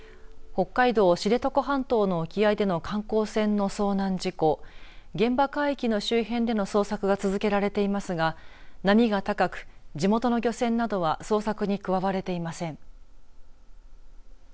北海道、知床半島の沖合での観光船の遭難事故現場海域の周辺での捜索が続けられていますが波が高く、地元の漁船などは捜索に加われていません。